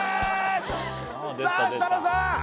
さあ設楽さん